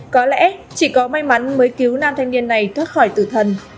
có lẽ chỉ có may mắn mới cứu nam thanh niên này thoát khỏi tử thần